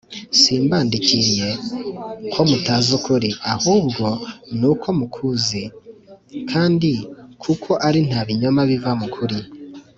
Simbandikiriye ko mutazi ukuri, ahubwo ni uko mukuzi kandi kuko ari nta binyoma biva mu kuri